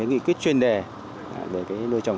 nghị quyết chuyên đề để nuôi trồng